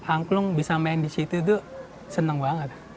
angklung bisa main di situ tuh seneng banget